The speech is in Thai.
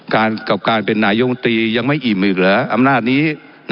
การจะเป็นหน่ายกองตรียังไม่อิ่มอิ่มอีกเหรออำนาจนี้